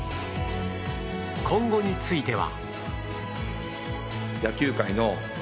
今後については。